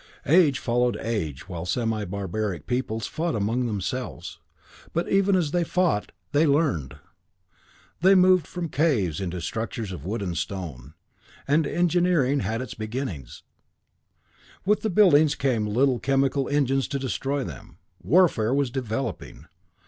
Age followed age while semi barbaric peoples fought among themselves. But even as they fought, they learned. "They moved from caves into structures of wood and stone and engineering had its beginning. With the buildings came little chemical engines to destroy them; warfare was developing.